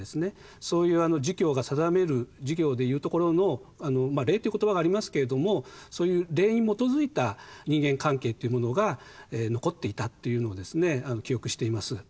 そういう儒教が定める儒教でいうところの「礼」っていう言葉がありますけれどもそういう礼に基づいた人間関係っていうものが残っていたというのをですね記憶しています。